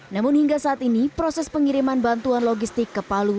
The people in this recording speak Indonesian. namun hingga saat ini proses pengiriman bantuan logistik ke palu